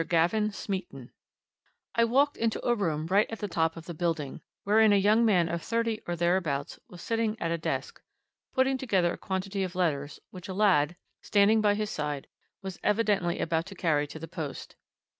GAVIN SMEATON I walked into a room right at the top of the building, wherein a young man of thirty or thereabouts was sitting at a desk, putting together a quantity of letters which a lad, standing at his side, was evidently about to carry to the post.